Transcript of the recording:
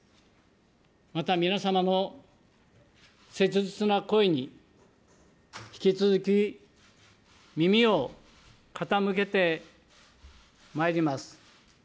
また、皆様の切実な声に、引き続き、耳を傾けてまいります。